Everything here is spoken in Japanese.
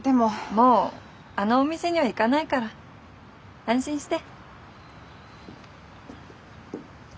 もうあのお店には行かないから安心して。